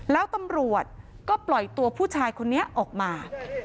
แล้วตำรวจก็ปล่อยตัวผู้ชายคนนี้ออกมา